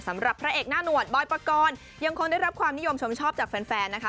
สำหรับพระเอกหน้าหนวดบอยปกรณ์ยังคงได้รับความนิยมชมชอบจากแฟนนะคะ